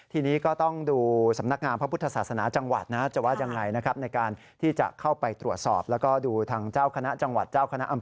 ทีนี้ก็ต้องดูความสำนักงามพระพุทธศาสนาจังหวิทย์